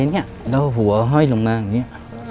เราก็หัวห้อยลงมาแบบนี้